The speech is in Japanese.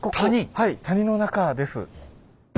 はい谷の中です。